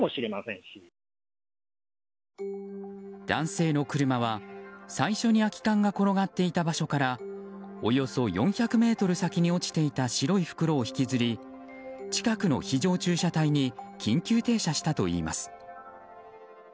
男性の車は最初に空き缶が転がっていた場所からおよそ４００ｍ先に落ちていた白い袋を引きずり近くの非常駐車帯に緊急停車したといいます。